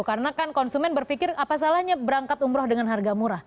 karena kan konsumen berpikir apa salahnya berangkat umroh dengan harga murah